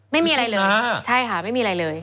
ไม่มีอะไรเลยใช่ค่ะไม่มีอะไรเลย